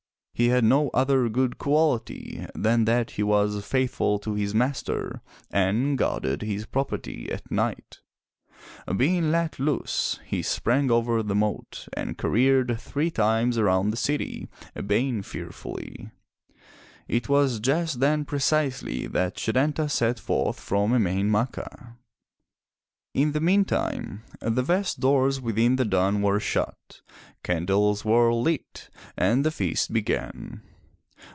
He had no other good quality than that he was faithful to his master and guarded his property at night. Being let loose, he sprang over the moat and careered three times around the city, baying fear fully. It was just then precisely that Setanta set forth from Emain Macha. In the meantime the vast doors within the dun were shut, candles were lit and the feast began.